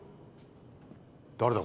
誰だ？